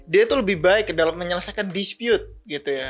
dia itu lebih baik dalam menyelesaikan dispute gitu ya